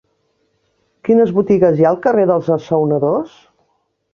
Quines botigues hi ha al carrer dels Assaonadors?